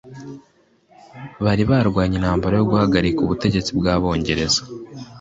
Bari barwanye intambara yo guhagarika ubutegetsi bwabongereza